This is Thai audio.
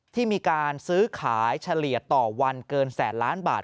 ที่มีการซื้อขายเฉลี่ยต่อวันเกินแสนล้านบาท